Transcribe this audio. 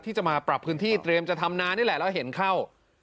ที่จะมาปรับพื้นที่เตรียมจะทำนานี่แหละแล้วเห็นเข้า